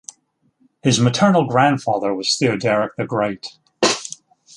His maternal grandfather was Theoderic the Great.